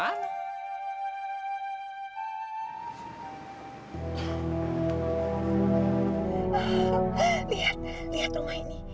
lihat lihat rumah ini